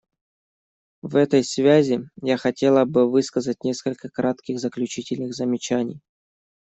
В этой связи я хотела бы высказать несколько кратких заключительных замечаний.